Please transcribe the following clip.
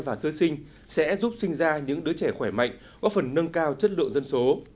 và sơ sinh sẽ giúp sinh ra những đứa trẻ khỏe mạnh góp phần nâng cao chất lượng dân số